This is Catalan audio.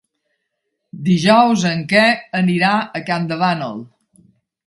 Dijous en Quer anirà a Campdevànol.